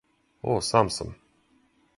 О, сам сам.